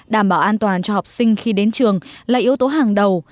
đảm bảo an toàn cho học sinh khi đến trường là yếu tố hàng đầu